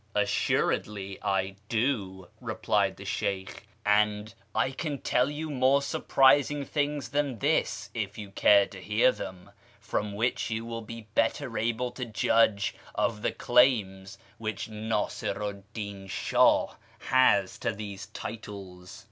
" Assuredly I do," replied the Sheykh, and " I can tell you more surprising things than this if you care to hear them, from which you will be better able to judge of the claims which Nasiru 'd Uin Shah has to these titles."